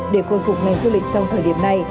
để khôi phục ngành du lịch trong thời điểm này